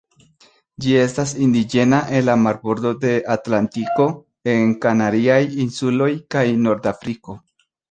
Ĝi estas indiĝena en la marbordo de Atlantiko en Kanariaj insuloj kaj Nordafriko.